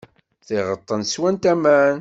Tiɣeṭṭen swant aman.